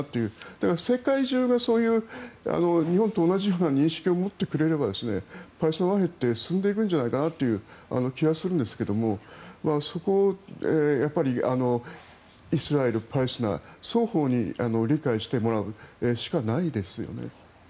だから、世界中がそういう日本と同じような認識を持ってくれればパレスチナ和平って進んでいくんじゃないかなという気はするんですけども、やっぱりイスラエル・パレスチナ双方に理解してもらうしかないですよね。